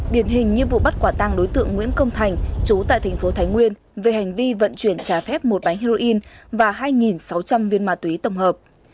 điển hình như vụ bắt quả tăng đối tượng nguyễn công thành chú tại thành phố thái nguyên về hành vi vận chuyển trái phép một bánh heroin và hai sáu trăm linh viên ma túy tổng hợp